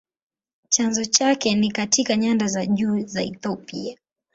Chanzo chake ni katika nyanda za juu za Ethiopia.